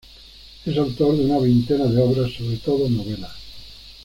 Es autor de una veintena de obras, sobre todo novelas.